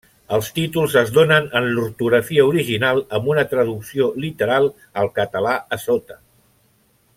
Els títols es donen en l'ortografia original amb una traducció literal al català a sota.